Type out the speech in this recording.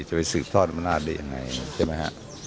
ไปสืบทอดอำนาจได้ยังไงใช่ไหมฮะ